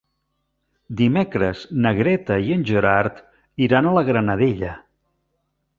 Dimecres na Greta i en Gerard iran a la Granadella.